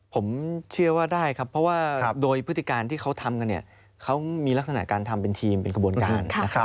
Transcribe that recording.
ผมเชื่อว่าได้ครับเพราะว่าโดยพฤติการที่เขาทำกันเนี่ยเขามีลักษณะการทำเป็นทีมเป็นกระบวนการนะครับ